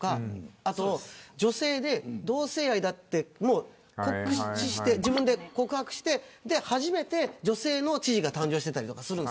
あと、女性で同性愛だと自分で告白して初めて女性の知事が誕生したりしている。